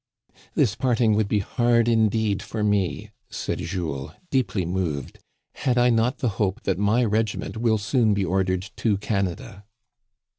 " This parting would be hard indeed for me," said Jules, deeply moved, "had I not the hope that my regiment will soon be ordered to Canada."